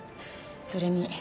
それに。